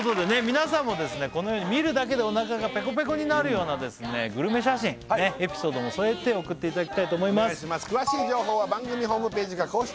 皆さんもこのように見るだけでおなかがペコペコになるようなグルメ写真エピソードも添えて送っていただきたいと思いますお願いします